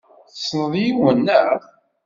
Tessneḍ yiwen, naɣ?